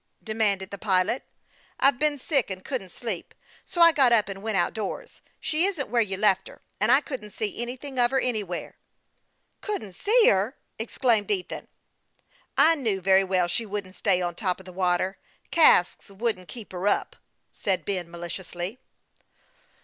" demanded the pilot, star tled by the assertion. " I've been sick, and couldn't sleep ; so I got up and went out doors. She isn't where you left her, and I couldn't see anything of her anywhere." " Couldn't see her !" exclaimed Ethan, aghast at the intelligence. " I knew very well she wouldn't stay on top of the water. Casks wouldn't keep her up," said Ben, maliciously.